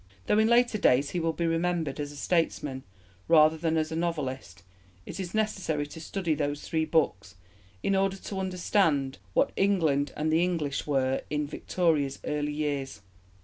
Though in later days he will be remembered as a statesman rather than as a novelist, it is necessary to study those three books in order to understand what England and the English were in Victoria's early years.